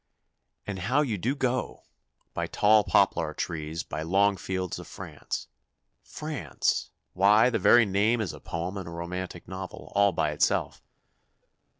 And how you do go! By tall poplar trees, by long fields of France. France! Why, the very name is a poem and a romantic novel, all by itself.